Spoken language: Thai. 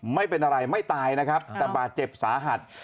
ไม่เป็นอะไรไม่ตายนะครับแต่บาดเจ็บสาหัส